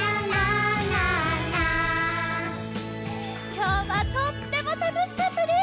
きょうはとってもたのしかったです！